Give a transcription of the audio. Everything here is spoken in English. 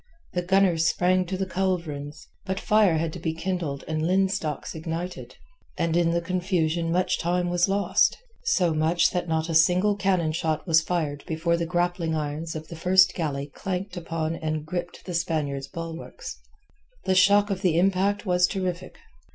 The gunners sprang to the culverins. But fire had to be kindled and linstocks ignited, and in the confusion much time was lost—so much that not a single cannon shot was fired before the grappling irons of the first galley clanked upon and gripped the Spaniard's bulwarks. The shock of the impact was terrific.